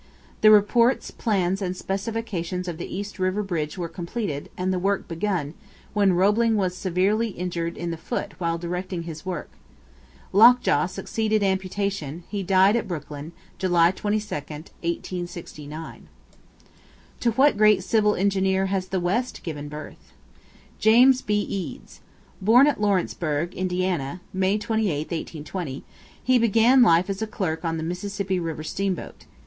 The reports, plans, and specifications of the East River bridge were completed, and the work begun, when Roebling was severely injured in the foot while directing his work. Lockjaw succeeding amputation, he died in Brooklyn, July 22, 1869. To what great Civil Engineer has the West given birth? James B. Eads. Born at Lawrenceburg, Indiana, May 28, 1820, he began life as a clerk on a Mississippi river steam boat.